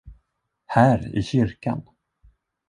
Här i kyrkan!